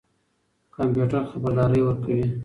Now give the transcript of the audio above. کمپيوټر خبردارى ورکوي.